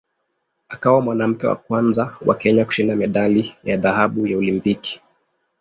Akawa mwanamke wa kwanza wa Kenya kushinda medali ya dhahabu ya Olimpiki.